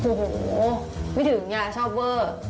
โอ้โหไม่ถึงยายชอบเวิร์ด